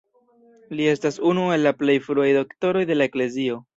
Li estas unu el la plej fruaj Doktoroj de la Eklezio.